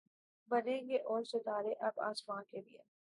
بنیں گے اور ستارے اب آسماں کے لیے